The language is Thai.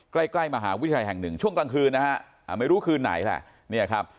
ใกล้ใกล้มหาวิทยาลัยแห่งหนึ่งช่วงกลางคืนนะฮะไม่รู้คืนไหนแหละเนี่ยครับ